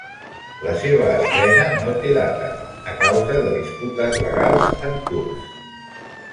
La seva estrena no té data, a causa de disputes legals en curs.